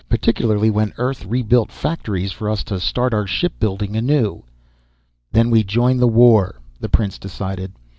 Particularly when Earth rebuilt factories for us to start our shipbuilding anew." "Then we join the war," the prince decided.